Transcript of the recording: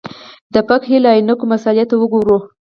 د فقهې له عینکو مسألې ته وګورو.